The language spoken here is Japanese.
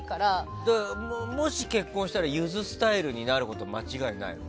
もし結婚したらゆずスタイルになることは間違いないね。